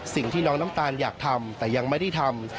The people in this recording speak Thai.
สิ่งที่น้องน้ำตาลอยากทำแต่ยังไม่ได้ทำ